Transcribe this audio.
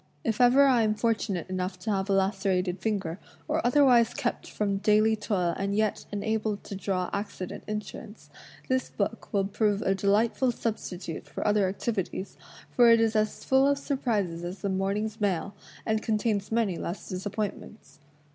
If ever I am fortimate enough to have a lacerated finger, or otherwise kept from daily toil and yet enabled t6 draw accident insurance, this book will prove a delightful substitute for other activities, for it is as full of surprises as the morning's mail, and contains many less disappointments.